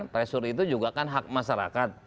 pressure itu juga kan hak masyarakat